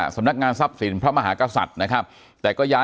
อย่างที่บอกไปว่าเรายังยึดในเรื่องของข้อ